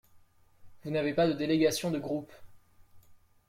Vous n’avez pas de délégation de groupe.